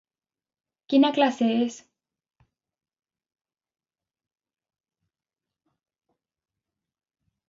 Quina classe és?